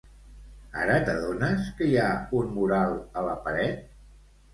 Ara t'adones que hi ha un mural a la paret?